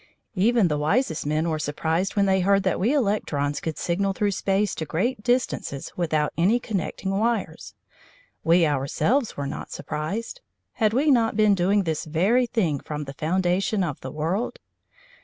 Even the wisest men were surprised when they heard that we electrons could signal through space to great distances without any connecting wires. We ourselves were not surprised. Had we not been doing this very thing from the foundation of the world?